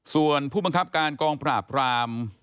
ส่วนผู้บังคับการกองปราบราม